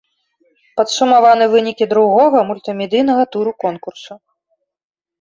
Падсумаваны вынікі другога, мультымедыйнага туру конкурсу.